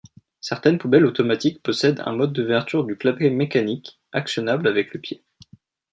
Certaines poubelles automatiques possèdent un mode d'ouverture du clapet mécanique, actionnable avec le pied.